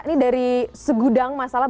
ini dari segudang masalah